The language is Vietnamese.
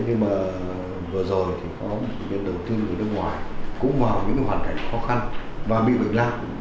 nhưng mà vừa rồi thì có một nguyên đầu tư người nước ngoài cũng vào những hoàn cảnh khó khăn và bị bệnh lao